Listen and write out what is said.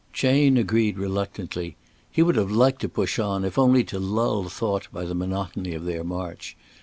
Chayne agreed reluctantly. He would have liked to push on if only to lull thought by the monotony of their march.